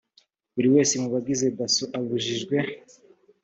buri wese mu bagize dasso abujijwe